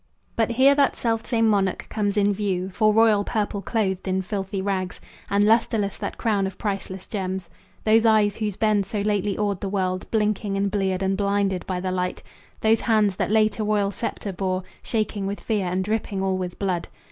But here that selfsame monarch comes in view, For royal purple clothed in filthy rags, And lusterless that crown of priceless gems; Those eyes, whose bend so lately awed the world, Blinking and bleared and blinded by the light; Those hands, that late a royal scepter bore, Shaking with fear and dripping all with blood.